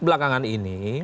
publik belakangan ini